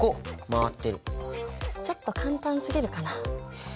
ちょっと簡単すぎるかな？